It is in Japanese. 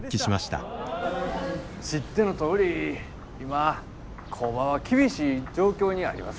知ってのとおり今工場は厳しい状況にあります。